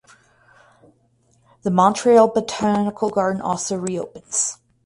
The Montreal Botanical Garden also reopens.